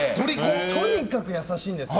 とにかく優しいんですよ。